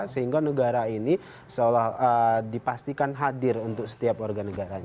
sehingga negara ini dipastikan hadir untuk setiap organ negaranya